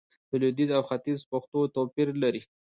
د لويديځ او ختيځ پښتو توپير لري